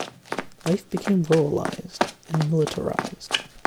Life became ruralized and militarized.